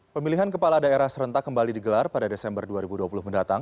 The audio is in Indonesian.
pemilihan kepala daerah serentak kembali digelar pada desember dua ribu dua puluh mendatang